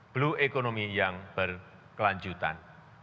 blue economy yang berkelanjutan